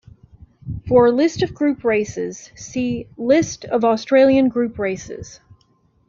For a list of Group races see List of Australian Group races.